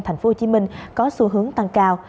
thành phố hồ chí minh có xu hướng tăng cao